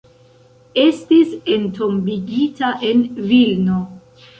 Estis entombigita en Vilno.